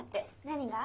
何が？